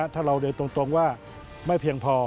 ถ้าเราเรียนตรงว่าไม่เพียงพอ